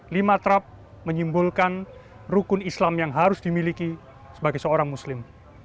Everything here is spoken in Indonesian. lima trap menyimpulkan rukun islam yang harus dimiliki sebagai seorang muslim